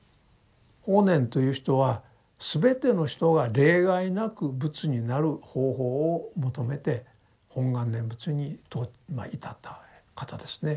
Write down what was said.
法然という人は全ての人が例外なく仏になる方法を求めて本願念仏にとまあ至った方ですね。